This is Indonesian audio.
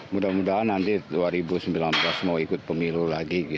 mudah mudahan nanti dua ribu sembilan belas mau ikut pemilu lagi